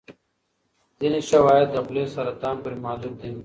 ځینې شواهد د خولې سرطان پورې محدود دي.